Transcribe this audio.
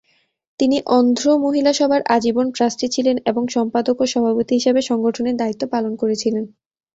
তিনি অন্ধ্র মহিলা সভার আজীবন ট্রাস্টি ছিলেন এবং সম্পাদক ও সভাপতি হিসাবে সংগঠনের দায়িত্ব পালন করেছিলেন।